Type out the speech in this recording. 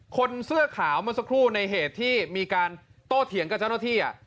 คนเสื้อขาวเมื่อสักครู่ในเหตุที่มีการโต้เถียงกับเจ้าหน้าที่